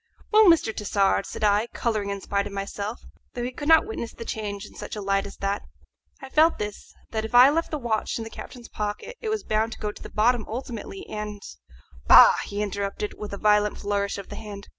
"Well, Mr. Tassard," said I, colouring in spite of myself, though he could not witness the change in such a light as that, "I felt this, that if I left the watch in the captain's pocket it was bound to go to the bottom ultimately, and " "Bah!" he interrupted, with a violent flourish of the hand.